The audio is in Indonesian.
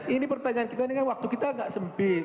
ini pertanyaan kita ini kan waktu kita agak sempit